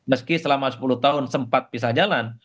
meski selama sepuluh tahun sempat pisah jalan